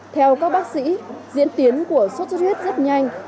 theo các bác sĩ diễn tiến của sốt xuất huyết rất nhanh